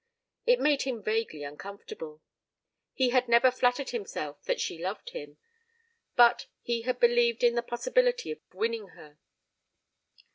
It made him vaguely uncomfortable. He had never flattered himself that she loved him, but he had believed in the possibility of winning her.